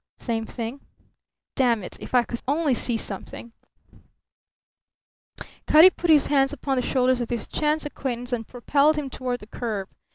"Same thing." "Damn it! If I could only see something!" Cutty put his hands upon the shoulders of this chance acquaintance and propelled him toward the curb.